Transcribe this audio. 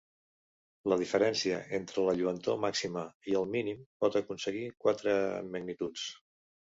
La diferència entre la lluentor màxima i el mínim pot aconseguir quatre magnituds.